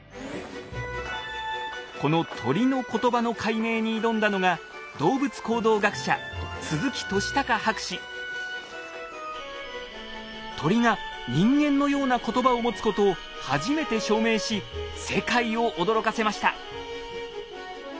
この鳥の言葉の解明に挑んだのが動物行動学者鳥が人間のような言葉を持つことを初めて証明し世界を驚かせました。